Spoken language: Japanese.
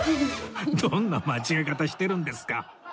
どんな間違え方してるんですか！